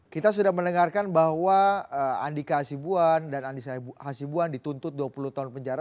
kita sudah mendengarkan bahwa andika hasibuan dan andi hasibuan dituntut dua puluh tahun penjara